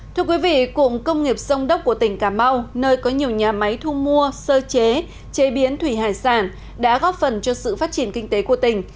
thưa quý vị cụm công nghiệp sông đốc của tỉnh cà mau nơi có nhiều nhà máy thu mua sơ chế chế biến thủy hải sản đã góp phần cho sự phát triển kinh tế của tỉnh